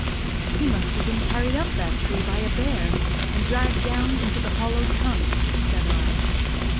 "He must have been carried up that tree by a bear, and dragged down into the hollow trunk," said I.